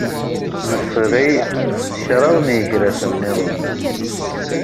Nesri kraḍ n yigraten niḍen.